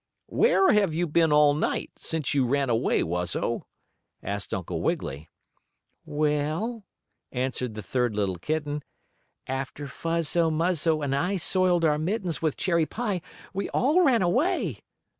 "Where have you been all night, since you ran away, Wuzzo?" asked Uncle Wiggily. "Well," answered the third little kitten. "After Fuzzo, Muzzo and I soiled our mittens with cherry pie we all ran away."